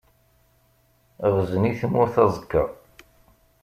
Ɣzen i tmurt aẓekka.